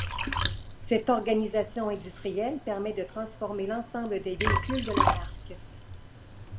Cette organisation industrielle permet de transformer l'ensemble des véhicules de la marque.